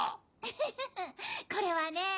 ウフフこれはねぇ